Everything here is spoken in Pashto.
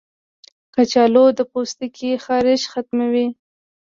کچالو د پوستکي خارښ ختموي.